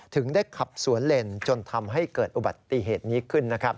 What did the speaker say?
ถึงได้ขับสวนเลนจนทำให้เกิดอุบัติเหตุนี้ขึ้นนะครับ